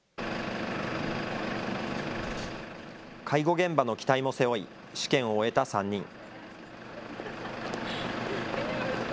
介護現場の期待も背負い、試験を終えた３人。